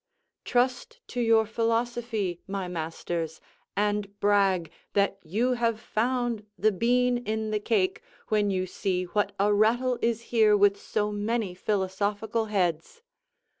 Trust to your philosophy, my masters; and brag that you have found the bean in the cake when you see what a rattle is here with so many philosophical heads!